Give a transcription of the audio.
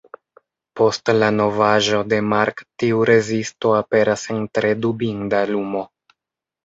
Post la novaĵo de Mark tiu rezisto aperas en tre dubinda lumo.